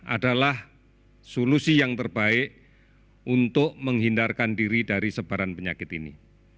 adalah solusi yang terbaik untuk menghindarkan diri dari sebaran penyakit ini